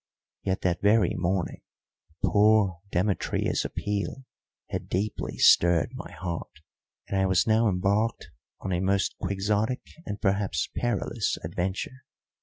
Yet that very morning poor Demetria's appeal had deeply stirred my heart, and I was now embarked on a most Quixotic and perhaps perilous adventure!